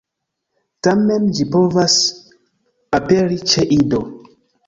Tamen ĝi povas aperi ĉe ido.